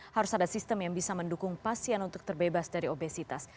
harus ada sistem yang bisa mendukung pasien untuk terbebas dari obesitas